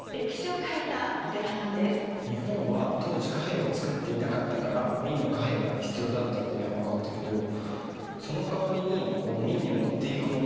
日本は当時貨幣を作っていなかったから明の貨幣が必要だったっていうのは分かったけどそのかわりに明に持っていくものって何だったんだろう？